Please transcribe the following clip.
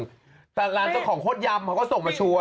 แต่ร้านเจ้าของโคตรยำเขาก็ส่งมาชัวร์